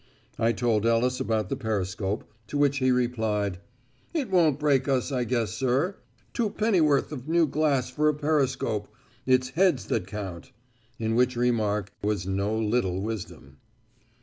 I told Ellis about the periscope, to which he replied: "It won't break us, I guess, sir twopenn'orth of new glass for a periscope. It's heads that count." In which remark was no little wisdom.